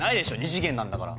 ２次元なんだから。